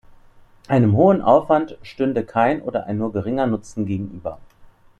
Einem hohen Aufwand stünde kein oder ein nur geringer Nutzen gegenüber.